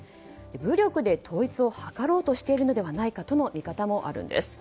武力で統一を図ろうとしているのではないかという見方もあるんです。